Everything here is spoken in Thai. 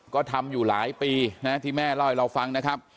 ก็ทำอยู่หลายปีนะที่แม่เล่าให้เราฟังนะครับ